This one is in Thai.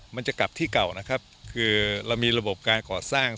มันจะกลับที่เก่านะครับคือเรามีระบบการก่อสร้าง